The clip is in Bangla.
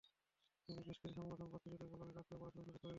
তবে বেশ কিছু সংগঠন পথশিশুদের কল্যাণে কাজ করছে, পড়াশোনার সুযোগ করে দিচ্ছে।